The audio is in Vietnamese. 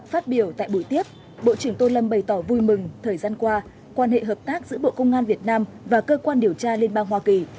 phát biểu tại buổi tiếp bộ trưởng tô lâm bày tỏ vui mừng thời gian qua quan hệ hợp tác giữa bộ công an việt nam và cơ quan điều tra liên bang hoa kỳ